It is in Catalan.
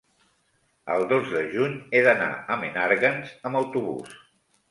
el dos de juny he d'anar a Menàrguens amb autobús.